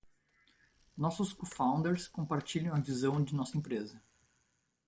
Nossos cofounders compartilham a visão de nossa empresa.